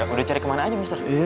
udah cari kemana aja mr